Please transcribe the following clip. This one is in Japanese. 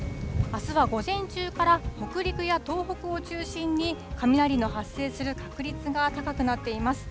あすは午前中から、北陸や東北を中心に、雷の発生する確率が高くなっています。